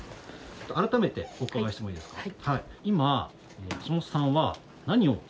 改めてお伺いしてもいいですか？